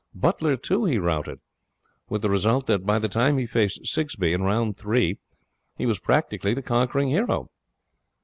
Butler, too, he routed; with the result that, by the time he faced Sigsbee in round three, he was practically the conquering hero.